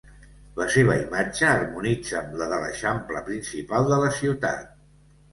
La seva imatge harmonitza amb la de l'eixample principal de la ciutat.